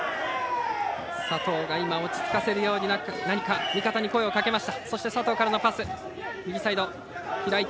佐藤が落ち着かせるように味方に声をかけました。